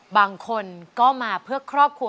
บางคนก็มาเพื่อครอบครัว